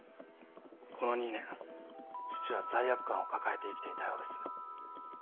この２年父は罪悪感を抱えて生きていたようです。